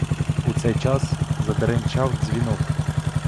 У цей час задеренчав дзвінок.